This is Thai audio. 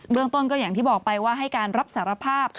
เรื่องต้นก็อย่างที่บอกไปว่าให้การรับสารภาพ